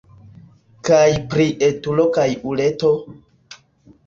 Kaj pri etulo kaj uleto..